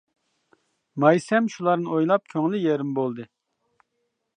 مايسەم شۇلارنى ئويلاپ كۆڭلى يېرىم بولدى.